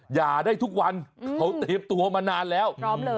หย่าได้ทุกวันเขาเตรียมตัวมานานแล้ว